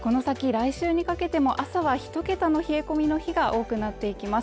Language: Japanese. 来週にかけても朝は１桁の冷え込みの日が多くなっていきます